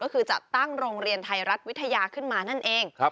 ก็คือจะตั้งโรงเรียนไทยรัฐวิทยาขึ้นมานั่นเอง